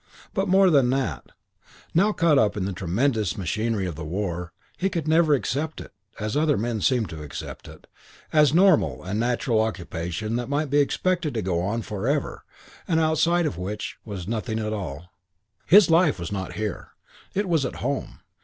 But more than that: now, caught up in the enormous machinery of the war, he never could accept it, as other men seemed to accept it, as normal and natural occupation that might be expected to go on for ever and outside of which was nothing at all. His life was not here; it was at home.